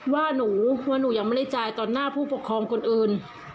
ว่าหนูว่าหนูยังไม่ได้จ่ายต่อหน้าผู้ปกครองคนอื่น